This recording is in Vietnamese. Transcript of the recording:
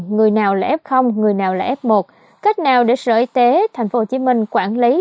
người nào là f người nào là f một cách nào để sở y tế tp hcm quản lý